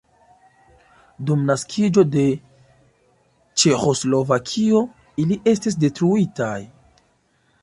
Dum naskiĝo de Ĉeĥoslovakio ili estis detruitaj.